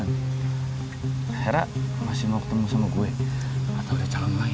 akhirnya masih mau ketemu sama gue atau ada calon lain